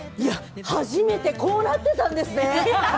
初めて、こうなってたんですね。